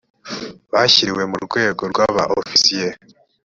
bashyiriwe mu rwego rwa ba ofisiye